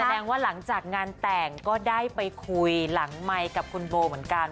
แสดงว่าหลังจากงานแต่งก็ได้ไปคุยหลังไมค์กับคุณโบเหมือนกัน